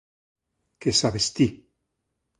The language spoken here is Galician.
Que sabes ti?